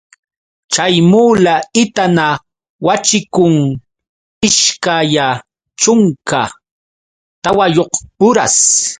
Chay mula itana waćhikun ishkaya chunka tawayuq uras.